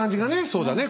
そうだね。